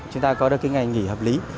chúng ta có được cái ngày nghỉ hợp lý